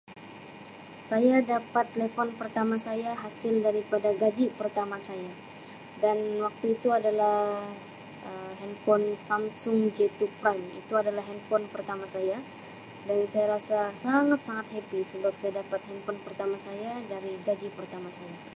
"Saya dapat telefon pertama saya hasil daripada gaji pertama saya dan waktu itu adalah Um ""handphone Samsung JT Prime"" itu adalah ""handphone"" pertama saya dan saya rasa sangat-sangat ""happy"" sebab saya dapat ""handphone"" pertama saya dari gaji pertama saya. "